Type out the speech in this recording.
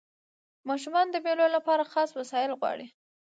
ماشومان د مېلو له پاره خاص وسایل غواړي.